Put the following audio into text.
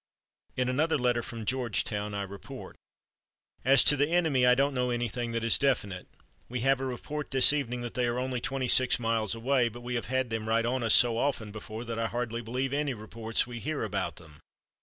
'" In another letter from Georgetown, I report: "As to the enemy I don't know anything that is definite. We have a report this evening that they are only twenty six miles away, but we have had them right on us so often before, that I hardly believe any reports we hear about them.